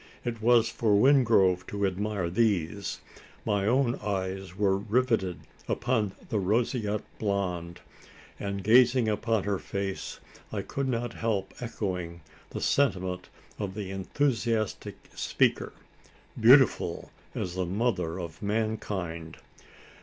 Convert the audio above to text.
It was for Wingrove to admire these. My own eyes were riveted upon the roseate blonde; and, gazing upon her face, I could not help echoing the sentiment of the enthusiastic speaker: "Beautiful as the mother of mankind!"